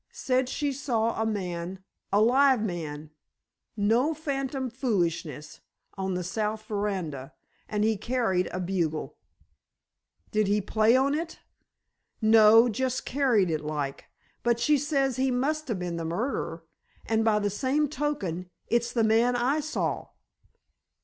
"Said she saw a man—a live man, no phantom foolishness, on the south veranda, and he carried a bugle." "Did he play on it?" "No; just carried it like. But she says he musta been the murderer, and by the same token it's the man I saw!"